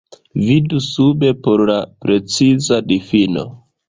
Vidu sube por la preciza difino.